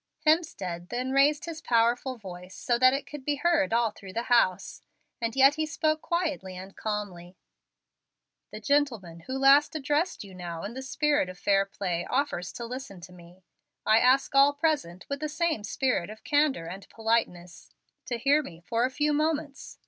Hemstead then raised his powerful voice, so that it could be heard all through the house, and yet he spoke quietly and calmly. "The gentleman who last addressed you now in the spirit of fair play offers to listen to me. I ask all present, with the same spirit of candor and politeness, to hear me for a few moments.